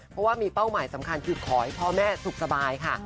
เพราะว่ามีเป้าหมายสำคัญคือขอให้พ่อแม่สุขสบายค่ะ